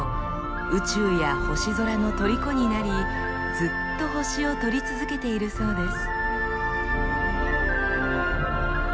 宇宙や星空のとりこになりずっと星を撮り続けているそうです。